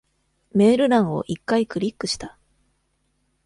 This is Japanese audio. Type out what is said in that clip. メール欄を一回クリックした。